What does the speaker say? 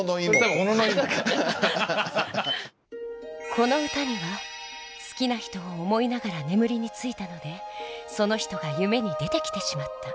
この歌には「好きな人を思いながら眠りについたのでその人が夢に出てきてしまった。